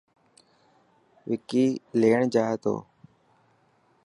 وڪي ليڻ جائي تو.